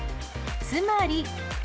つまり。